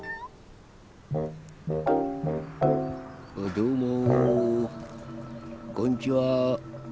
どうもこんちは。